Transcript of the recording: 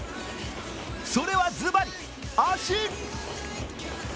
それはズバリ、足。